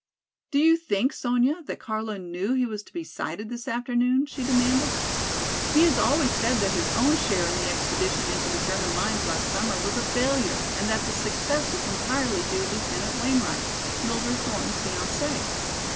"Do you think, Sonya, that Carlo knew he was to be cited this afternoon?" she demanded. "He has always said that his own share in the expedition into the German lines last summer was a failure and that the success was entirely due Lieutenant Wainwright, Mildred Thornton's fiancé.